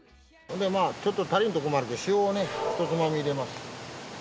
ちょっと足りんと困るから塩をねひとつまみ入れます。